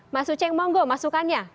mas uce yang mau masukannya